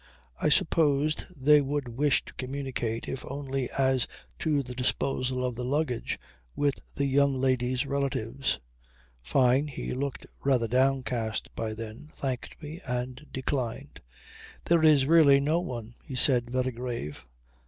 I supposed they would wish to communicate, if only as to the disposal of the luggage, with the young lady's relatives ... Fyne, he looked rather downcast by then, thanked me and declined. "There is really no one," he said, very grave.